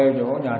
mới ngồi mới chơi